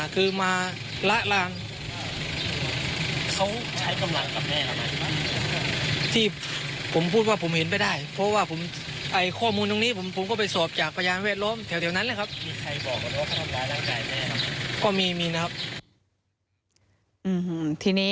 คือมาละราน